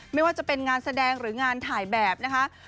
ไม่ว่าจะเป็นงานแสดงหรืองานถ่ายแบบนะคะ